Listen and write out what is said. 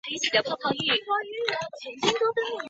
父亲戈启宗。